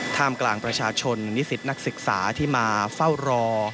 ท่ามกลางประชาชนนิสิตนักศึกษาที่มาเฝ้ารอ